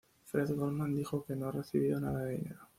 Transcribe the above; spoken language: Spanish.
Fred Goldman dijo que no ha recibido nada de dinero.